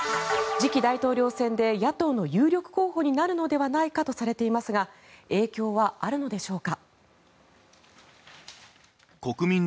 次期大統領選で野党の有力候補になるのではないかとされていますが影響はあるのでしょうか。